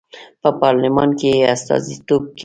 په پارلمان کې یې استازیتوب کېده.